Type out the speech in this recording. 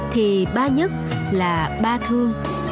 thì ba nhất là ba thương